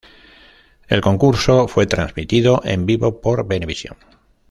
El concurso fue transmitido en vivo por Venevisión.